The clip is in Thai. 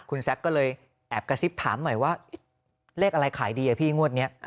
คุณแซคก็เลยแอบกระซิบถามหน่อยว่าเลขอะไรขายดีอะพี่งวดนี้